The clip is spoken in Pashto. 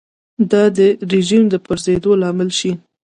دا د رژیم د پرځېدو لامل شي.